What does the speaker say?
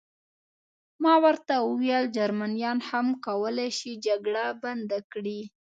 ما ورته وویل: جرمنیان هم کولای شي جګړه بنده کړي.